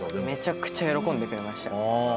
めちゃくちゃ喜んでくれました。